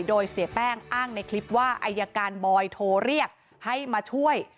โดยเสียแป้งอ้างในคลิปว่าอายการบอยโทรเรียกให้มาช่วย